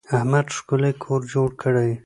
احمد ښکلی کور جوړ کړی.